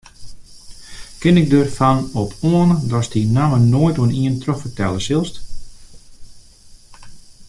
Kin ik derfan op oan datst dy namme noait oan ien trochfertelle silst?